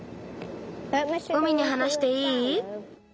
海にはなしていい？